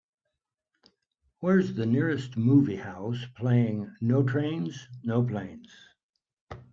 where's the nearest movie house playing No Trains No Planes